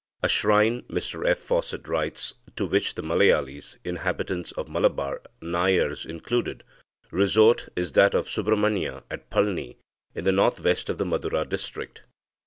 "A shrine," Mr F. Fawcett writes, "to which the Malayalis (inhabitants of Malabar), Nayars included, resort is that of Subramaniya at Palni in the north west of the Madura district.